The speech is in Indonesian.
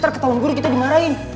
ntar ketahuan gue udah kita dimarahin